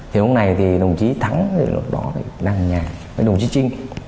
thì lúc này thì đồng chí thắng thì lúc đó thì đang ở nhà với đồng chí trinh